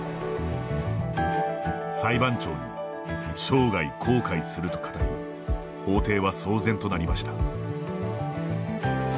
裁判長に「生涯後悔する」と語り法廷は騒然となりました。